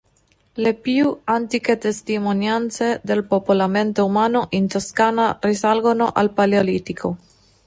Le più antiche testimonianze del popolamento umano in Toscana risalgono al Paleolitico.